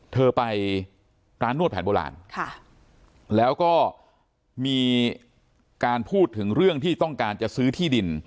เธอไปร้านนวดแผนโบราณแล้วก็มีการพูดถึงเรื่องที่ต้องการจะซื้อที่ดิน